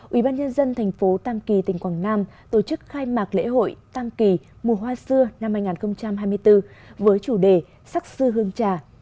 ubnd tp tam kỳ tỉnh quảng nam tổ chức khai mạc lễ hội tam kỳ mùa hoa xưa năm hai nghìn hai mươi bốn với chủ đề sắc sư hương trà